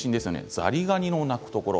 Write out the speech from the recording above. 「ザリガニの鳴くところ」